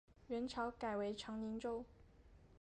元朝改为长宁州。